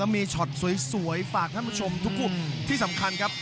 มีช็อตสวยฝากท่านผู้ชมทุกกลุ่มที่สำคัญครับ